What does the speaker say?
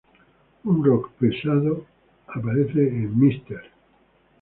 Un rock pesado aparece en "Mr.